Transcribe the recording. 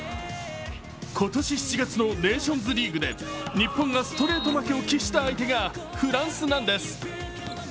今年７月のネーションズリーグで日本がストレート負けを喫した相手がフランスなんです。